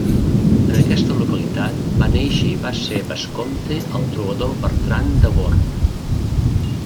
En aquesta localitat va néixer i va ser vescomte el trobador Bertran de Born.